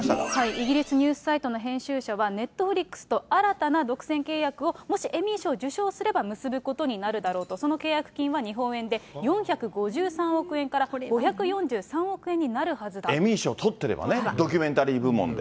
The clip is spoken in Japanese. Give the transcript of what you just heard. イギリスニュースサイトの編集者は、ネットフリックスと新たな独占契約をもしエミー賞を受賞すると結ぶことになるだろうと、日本円で４５３億円から５４３億円になるエミー賞取ってればね、ドキュメンタリー部門で。